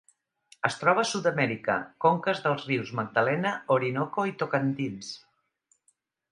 Es troba a Sud-amèrica: conques dels rius Magdalena, Orinoco i Tocantins.